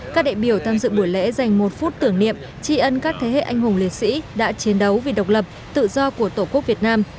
các đại biểu tham dự buổi lễ dành một phút tưởng niệm tri ân các thế hệ anh hùng liệt sĩ đã chiến đấu vì độc lập tự do của tổ quốc việt nam